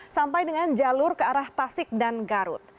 sampai dengan jalur ke arah tasik dan garut